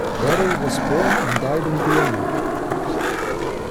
Reutter was born and died in Vienna.